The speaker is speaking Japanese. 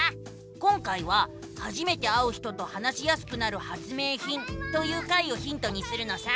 今回は「初めて会う人と話しやすくなる発明品」という回をヒントにするのさ！